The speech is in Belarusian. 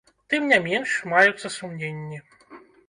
Тым не менш, маюцца сумненні.